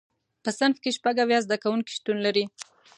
په صنف کې شپږ اویا زده کوونکي شتون لري.